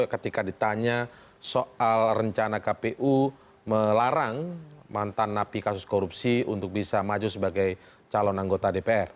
ketika ditanya soal rencana kpu melarang mantan napi kasus korupsi untuk bisa maju sebagai calon anggota dpr